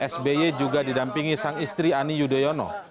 sby juga didampingi sang istri ani yudhoyono